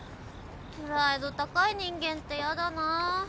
プライド高い人間って嫌だな。